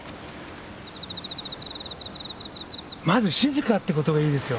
まず静かってことがいいですよ。